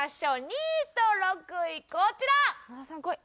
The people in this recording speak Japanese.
２位と６位こちら！